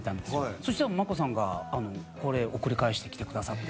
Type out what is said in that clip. そしたらマコさんがこれ送り返してきてくださって。